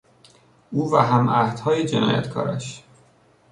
او و همعهدهای جنایتکارش